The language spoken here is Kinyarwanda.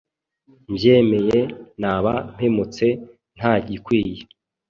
mbyemeye naba mpemutse ntagikwiye